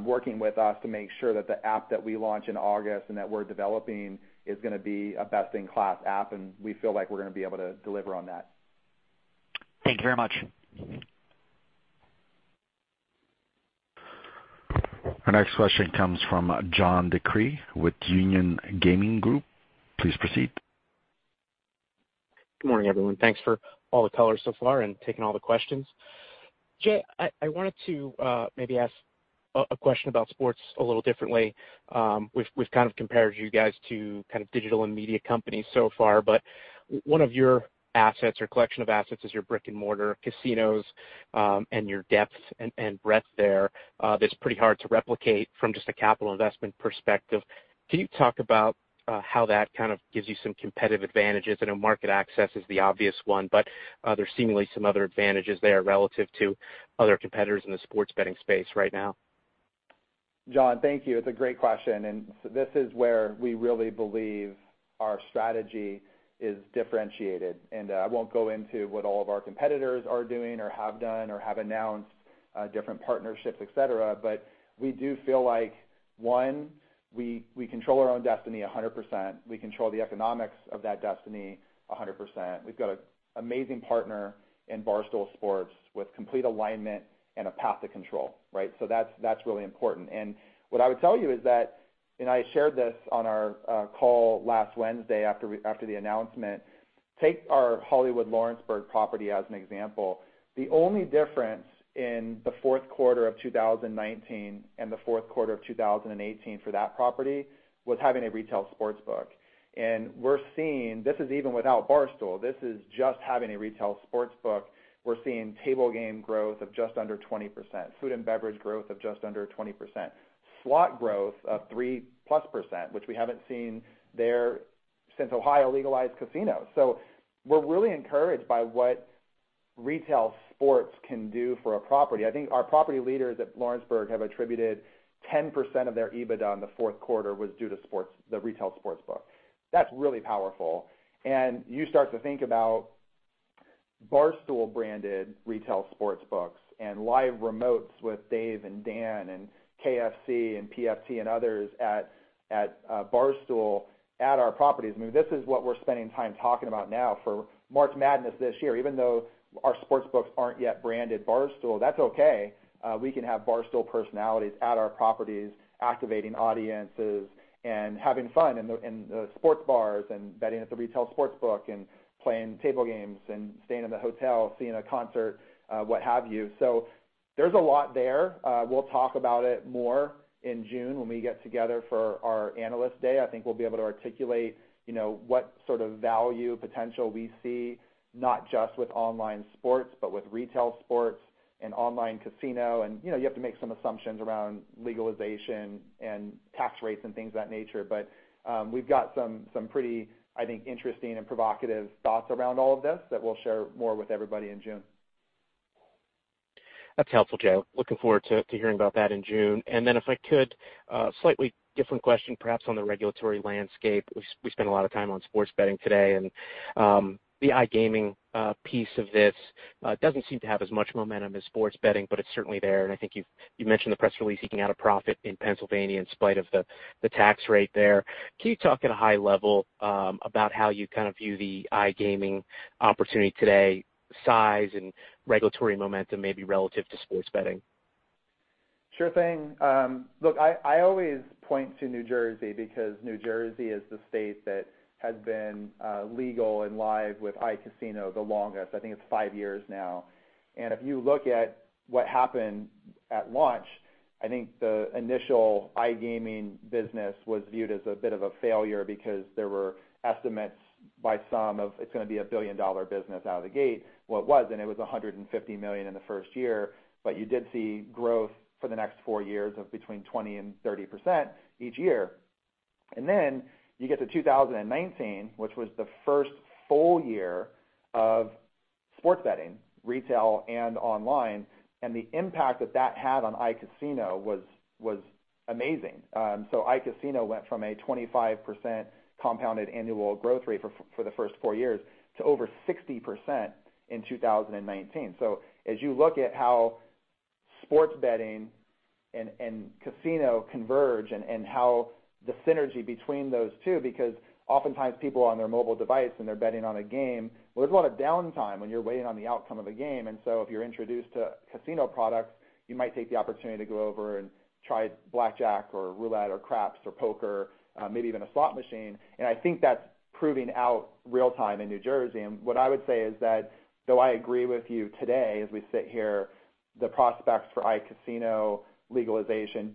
working with us to make sure that the app that we launch in August and that we're developing is going to be a best-in-class app, and we feel like we're going to be able to deliver on that. Thank you very much. Our next question comes from John DeCree with Union Gaming Group. Please proceed. Good morning, everyone. Thanks for all the color so far and taking all the questions. Jay, I wanted to maybe ask a question about sports a little differently. We've kind of compared you guys to kind of digital and media companies so far, but one of your assets or collection of assets is your brick-and-mortar casinos and your depth and breadth there that's pretty hard to replicate from just a capital investment perspective. Can you talk about how that kind of gives you some competitive advantages? I know market access is the obvious one, but there's seemingly some other advantages there relative to other competitors in the sports betting space right now. Jon, thank you. It's a great question. This is where we really believe our strategy is differentiated. I won't go into what all of our competitors are doing or have done or have announced different partnerships, et cetera. We do feel like, one, we control our own destiny 100%. We control the economics of that destiny 100%. We've got an amazing partner in Barstool Sports with complete alignment and a path to control, right? That's really important. What I would tell you is that, and I shared this on our call last Wednesday after the announcement, take our Hollywood Lawrenceburg property as an example. The only difference in the fourth quarter of 2019 and the fourth quarter of 2018 for that property was having a retail sportsbook. We're seeing, this is even without Barstool, this is just having a retail sportsbook. We're seeing table game growth of just under 20%, food and beverage growth of just under 20%, slot growth of three-plus percent, which we haven't seen there since Ohio legalized casinos. We're really encouraged by what retail sports can do for a property. I think our property leaders at Lawrenceburg have attributed 10% of their EBITDA in the fourth quarter was due to the retail sportsbook. That's really powerful. You start to think about Barstool-branded retail sportsbooks and live remotes with Dave and Dan and KFC and PFT and others at Barstool at our properties. I mean, this is what we're spending time talking about now for March Madness this year. Even though our sportsbooks aren't yet branded Barstool, that's okay. We can have Barstool personalities at our properties activating audiences and having fun in the sports bars and betting at the retail sportsbook and playing table games and staying in the hotel, seeing a concert, what have you. There's a lot there. We'll talk about it more in June when we get together for our Analyst Day. I think we'll be able to articulate what sort of value potential we see, not just with online sports, but with retail sports and online casino. You have to make some assumptions around legalization and tax rates and things of that nature. We've got some pretty, I think, interesting and provocative thoughts around all of this that we'll share more with everybody in June. That's helpful, Joe. Looking forward to hearing about that in June. If I could, slightly different question perhaps on the regulatory landscape. We spent a lot of time on sports betting today, and the iGaming piece of this doesn't seem to have as much momentum as sports betting, but it's certainly there, and I think you mentioned the press release eking out a profit in Pennsylvania in spite of the tax rate there. Can you talk at a high level about how you kind of view the iGaming opportunity today, size and regulatory momentum, maybe relative to sports betting? Sure thing. Look, I always point to New Jersey because New Jersey is the state that has been legal and live with iCasino the longest. I think it's five years now. If you look at what happened at launch, I think the initial iGaming business was viewed as a bit of a failure because there were estimates by some of it's going to be a billion-dollar business out of the gate. Well, it wasn't, it was $150 million in the first year. You did see growth for the next four years of between 20% and 30% each year. You get to 2019, which was the first full year of sports betting, retail and online, and the impact that that had on iCasino was amazing. iCasino went from a 25% compounded annual growth rate for the first four years to over 60% in 2019. As you look at how sports betting and casino converge and how the synergy between those two, because oftentimes people are on their mobile device and they're betting on a game, well, there's a lot of downtime when you're waiting on the outcome of a game. If you're introduced to casino products, you might take the opportunity to go over and try blackjack or roulette or craps or poker, maybe even a slot machine. I think that's proving out real-time in New Jersey. What I would say is that, though I agree with you today as we sit here, the prospects for iCasino legalization,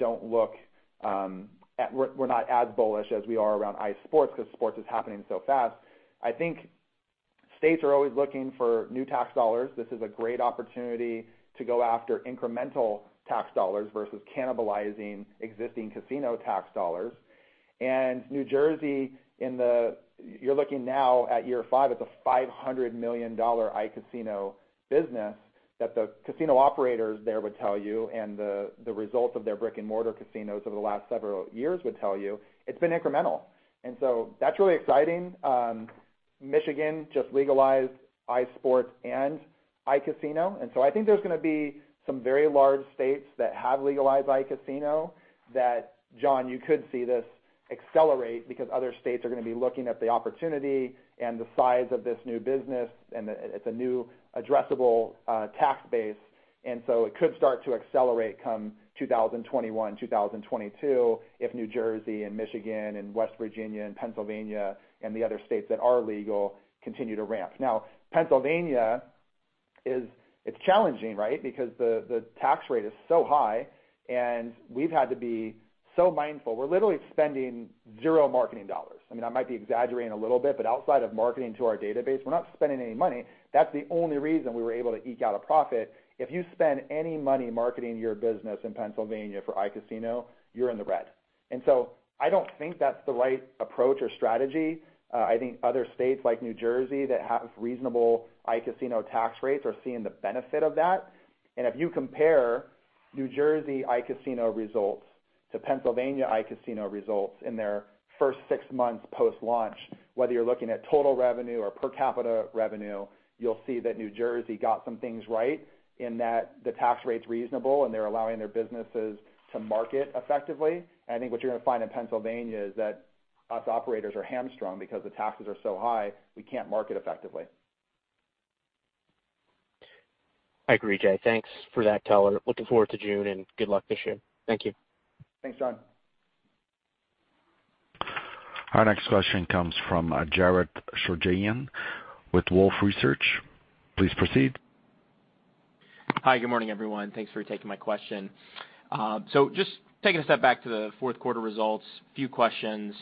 we're not as bullish as we are around iSports because sports is happening so fast. I think states are always looking for new tax dollars. This is a great opportunity to go after incremental tax dollars versus cannibalizing existing casino tax dollars. New Jersey, you're looking now at year five at the $500 million iCasino business that the casino operators there would tell you and the results of their brick-and-mortar casinos over the last several years would tell you it's been incremental. That's really exciting. Michigan just legalized iSports and iCasino. I think there's going to be some very large states that have legalized iCasino that, John, you could see this accelerate because other states are going to be looking at the opportunity and the size of this new business, and it's a new addressable tax base. It could start to accelerate come 2021, 2022 if New Jersey and Michigan and West Virginia and Pennsylvania and the other states that are legal continue to ramp. Pennsylvania, it's challenging, right? The tax rate is so high, and we've had to be so mindful. We're literally spending zero marketing dollars. I mean, I might be exaggerating a little bit, but outside of marketing to our database, we're not spending any money. That's the only reason we were able to eke out a profit. If you spend any money marketing your business in Pennsylvania for iCasino, you're in the red. I don't think that's the right approach or strategy. I think other states, like New Jersey, that have reasonable iCasino tax rates are seeing the benefit of that. If you compare New Jersey iCasino results to Pennsylvania iCasino results in their first six months post-launch, whether you're looking at total revenue or per capita revenue, you'll see that New Jersey got some things right in that the tax rate's reasonable, and they're allowing their businesses to market effectively. I think what you're going to find in Pennsylvania is that us operators are hamstrung because the taxes are so high, we can't market effectively. I agree, Jay. Thanks for that color. Looking forward to June, and good luck this year. Thank you. Thanks, John. Our next question comes from Jared Shojaian with Wolfe Research. Please proceed. Hi, good morning, everyone. Thanks for taking my question. Just taking a step back to the fourth quarter results, a few questions.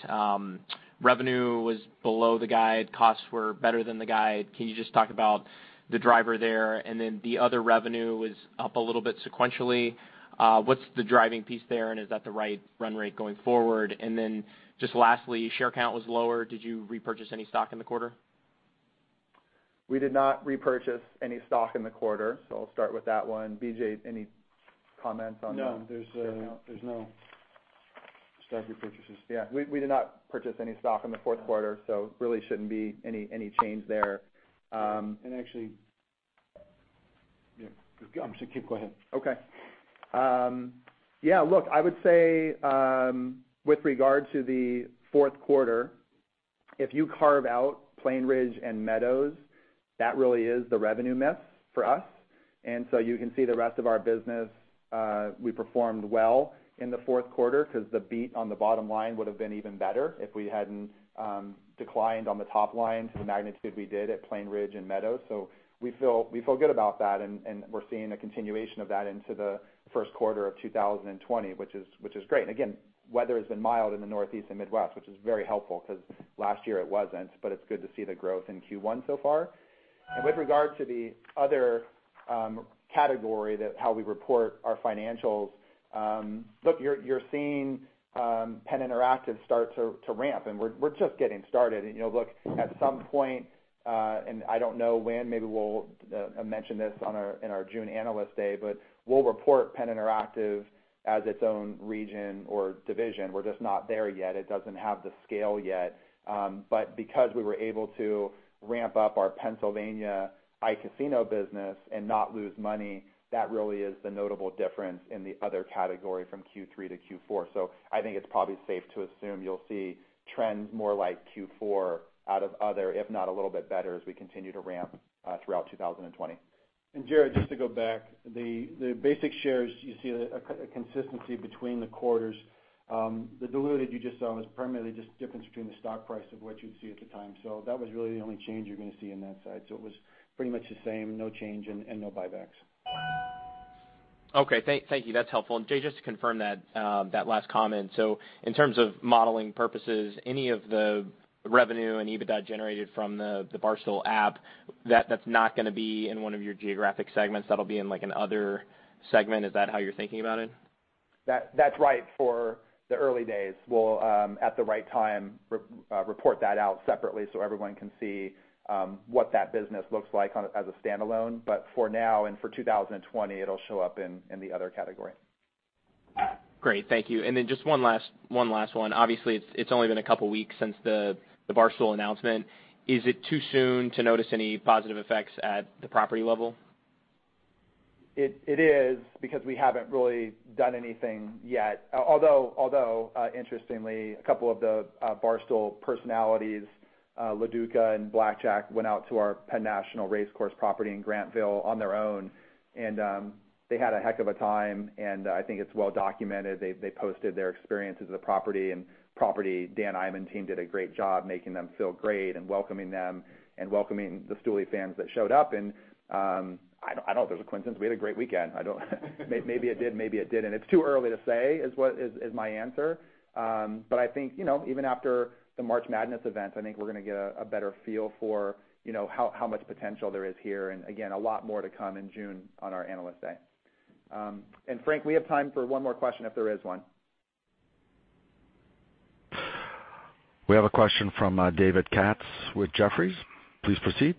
Revenue was below the guide. Costs were better than the guide. Can you just talk about the driver there? The other revenue was up a little bit sequentially. What's the driving piece there, and is that the right run rate going forward? Just lastly, share count was lower. Did you repurchase any stock in the quarter? We did not repurchase any stock in the quarter. I'll start with that one. BJ, any comments on- No. Share count there's no stock repurchases. Yeah. We did not purchase any stock in the fourth quarter, so really shouldn't be any change there. Actually Yeah. I was going to say, keep going. Okay. Yeah, look, I would say, with regard to the fourth quarter, if you carve out Plainridge and Meadows, that really is the revenue miss for us. You can see the rest of our business, we performed well in the fourth quarter because the beat on the bottom line would've been even better if we hadn't declined on the top line to the magnitude we did at Plainridge and Meadows. We feel good about that, and we're seeing a continuation of that into the first quarter of 2020, which is great. Again, weather has been mild in the Northeast and Midwest, which is very helpful because last year it wasn't, but it's good to see the growth in Q1 so far. With regard to the other category that how we report our financials, look, you're seeing Penn Interactive start to ramp, and we're just getting started. Look, at some point, and I don't know when, maybe we'll mention this in our June Analyst Day, but we'll report Penn Interactive as its own region or division. We're just not there yet. It doesn't have the scale yet. Because we were able to ramp up our Pennsylvania iCasino business and not lose money, that really is the notable difference in the other category from Q3 to Q4. I think it's probably safe to assume you'll see trends more like Q4 out of other, if not a little bit better, as we continue to ramp throughout 2020. Jared, just to go back, the basic shares, you see a consistency between the quarters. The diluted you just saw is primarily just the difference between the stock price of what you'd see at the time. That was really the only change you're going to see on that side. It was pretty much the same, no change and no buybacks. Okay. Thank you. That's helpful. Jay, just to confirm that last comment, in terms of modeling purposes, any of the revenue and EBITDA generated from the Barstool app, that's not going to be in one of your geographic segments. That'll be in like an other segment. Is that how you're thinking about it? That's right for the early days. We'll, at the right time, report that out separately so everyone can see what that business looks like as a standalone. For now, and for 2020, it'll show up in the other category. Great. Thank you. Then just one last one. Obviously, it's only been a couple of weeks since the Barstool announcement. Is it too soon to notice any positive effects at the property level? It is because we haven't really done anything yet. Although, interestingly, a couple of the Barstool personalities, LaDuca and Blackjack, went out to our Hollywood Casino at PENN National Race Course property in Grantville on their own. They had a heck of a time, and I think it's well-documented. They posted their experience at the property, Dan Ihm and team did a great job making them feel great and welcoming them and welcoming the Stoolies fans that showed up. I don't know if it was a coincidence. We had a great weekend. Maybe it did, maybe it didn't. It's too early to say is my answer. I think even after the March Madness event, I think we're going to get a better feel for how much potential there is here. Again, a lot more to come in June on our Analyst Day. Frank, we have time for one more question if there is one. We have a question from David Katz with Jefferies. Please proceed.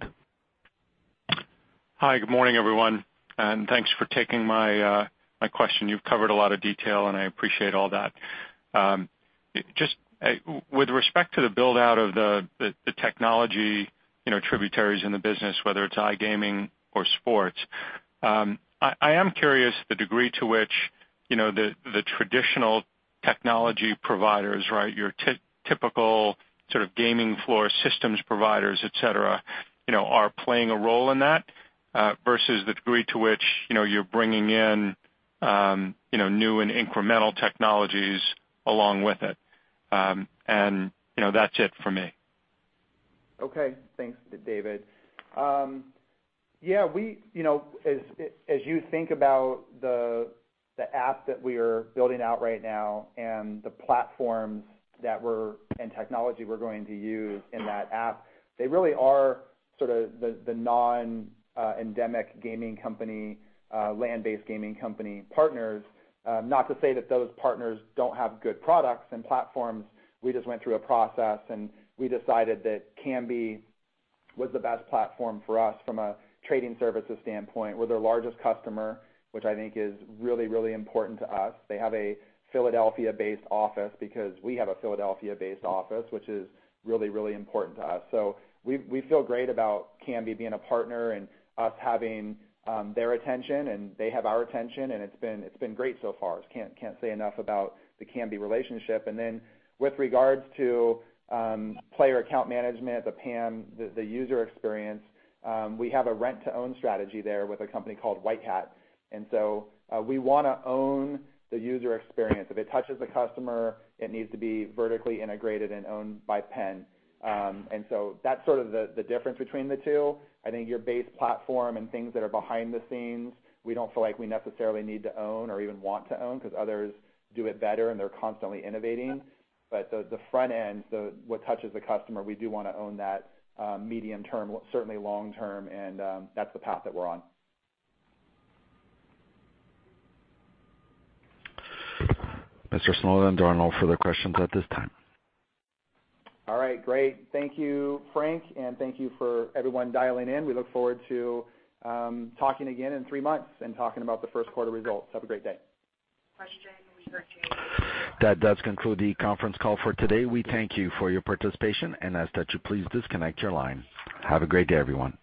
Hi. Good morning, everyone, and thanks for taking my question. You've covered a lot of detail, and I appreciate all that. Just with respect to the build-out of the technology tributaries in the business, whether it's iGaming or sports, I am curious the degree to which the traditional technology providers, your typical sort of gaming floor systems providers, et cetera, are playing a role in that versus the degree to which you're bringing in new and incremental technologies along with it. That's it for me. Okay. Thanks, David. As you think about the app that we are building out right now and the platforms and technology we're going to use in that app, they really are sort of the non-endemic gaming company, land-based gaming company partners. Not to say that those partners don't have good products and platforms. We just went through a process, and we decided that Kambi was the best platform for us from a trading services standpoint. We're their largest customer, which I think is really, really important to us. They have a Philadelphia-based office because we have a Philadelphia-based office, which is really, really important to us. We feel great about Kambi being a partner and us having their attention, and they have our attention, and it's been great so far. Can't say enough about the Kambi relationship. With regards to player account management, the PAM, the user experience, we have a rent-to-own strategy there with a company called White Hat. We want to own the user experience. If it touches the customer, it needs to be vertically integrated and owned by PENN. That's sort of the difference between the two. I think your base platform and things that are behind the scenes, we don't feel like we necessarily need to own or even want to own because others do it better, and they're constantly innovating. The front end, what touches the customer, we do want to own that medium-term, certainly long-term, and that's the path that we're on. Mr. Snowden, there are no further questions at this time. All right. Great. Thank you, Frank, and thank you for everyone dialing in. We look forward to talking again in three months and talking about the first quarter results. Have a great day. That does conclude the conference call for today. We thank you for your participation and ask that you please disconnect your line. Have a great day, everyone.